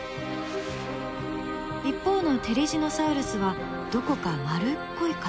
一方のテリジノサウルスはどこか丸っこい形の歯。